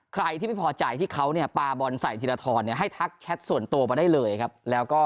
ใครที่ไม่พอใจที่เขาเนี่ยปลาบอลใส่ธีรทรเนี่ยให้ทักแชทส่วนตัวมาได้เลยครับแล้วก็